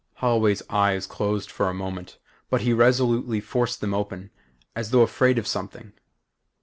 Holloway's eyes closed for a moment but he resolutely forced them open as though afraid of something.